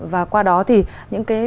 và qua đó thì những cái